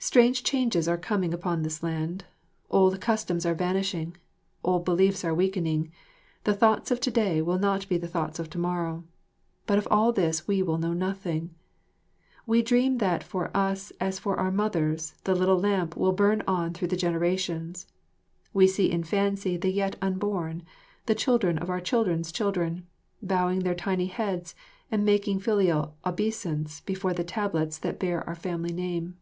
"Strange changes are coming upon this land, old customs are vanishing, old beliefs are weakening, the thoughts of to day will not be the thoughts of to morrow; but of all this we will know nothing. We dream that for us as for our mothers the little lamp will burn on through the generations; we see in fancy the yet unborn, the children of our children's children, bowing their tiny heads and making the filial obeisance before the tablets that bear our family name."